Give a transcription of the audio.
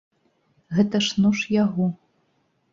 Гэта ж нож яго.